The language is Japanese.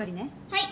はい！